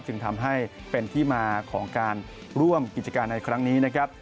จึงทำให้เป็นที่มาของการร่วมกิจการในครั้งนี้นะครับ